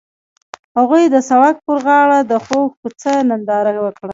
هغوی د سړک پر غاړه د خوږ کوڅه ننداره وکړه.